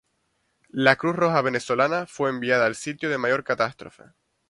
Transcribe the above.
La Cruz Roja Venezolana fue enviada al sitio de mayor catástrofe.